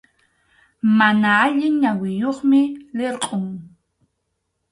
Mana allin ñawiyuqmi, lirqʼum.